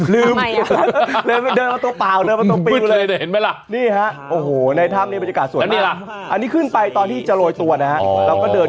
ลืมเดินมาตัวเปลี่ยวเลย